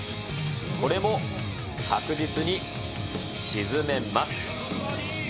これも確実に沈めます。